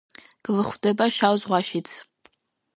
გვხვდება შავ ზღვაშიც.